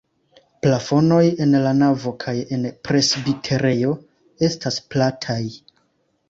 Plafonoj en la navo kaj en presbiterejo estas plataj.